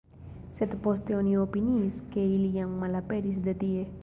Sed poste oni opiniis ke ili jam malaperis de tie.